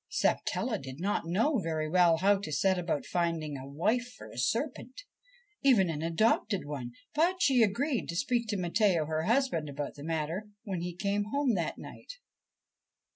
Sapatella did not very well know how to set about finding a wife for a serpent, even an adopted one ; but she agreed to speak to Matteo her husband about the matter when he came home that night.